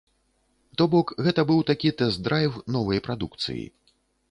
То бок гэта быў такі тэст-драйв новай прадукцыі.